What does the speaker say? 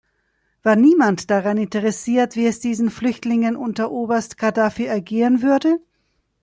War niemand daran interessiert, wie es diesen Flüchtlingen unter Oberst Gaddafi ergehen würde?